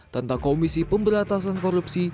tentang komisi pemberantasan korupsi